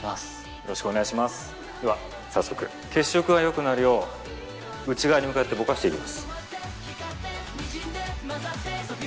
よろしくお願いしますでは早速血色が良くなるよう内側に向かってぼかしていきます。